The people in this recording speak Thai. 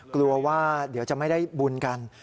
กลัวว่าเดี๋ยวจะไม่ได้บุญกัน